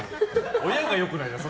親がよくないよ。